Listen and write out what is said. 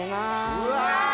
うわ！